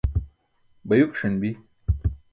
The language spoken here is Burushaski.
bayukiṣan bi